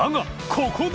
ここで？